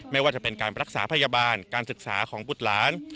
ไม่ว่าจะเป็นการรักษาพยาบาลการศึกษาของบุตรหลาน